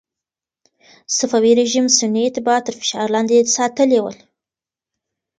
صفوي رژیم سني اتباع تر فشار لاندې ساتلي ول.